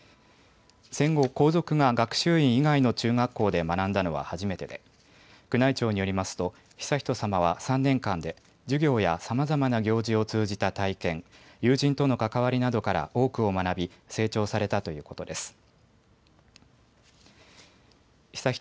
戦後、皇族が学習院以外の中学校で学んだのは初めてで宮内庁によりますと悠仁さまは３年間で授業やさまざまな行事を通じた体験、友人との関わりなどから多くを学び成長されたということです。